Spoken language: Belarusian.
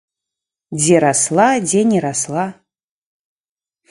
Дзе расла, дзе не расла.